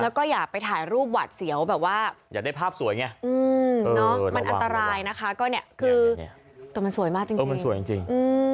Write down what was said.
แล้วก็อย่าไปถ่ายรูปหวัดเสียวแบบว่าอยากได้ภาพสวยไงมันอันตรายนะคะก็เนี่ยคือแต่มันสวยมากจริงมันสวยจริง